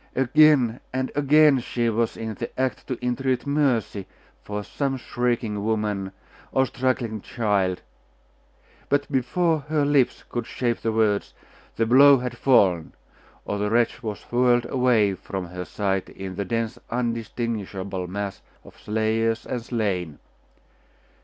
Again and again she was in the act to entreat mercy for some shrieking woman or struggling child; but before her lips could shape the words, the blow had fallen, or the wretch was whirled away from her sight in the dense undistinguishable mass of slayers and slain.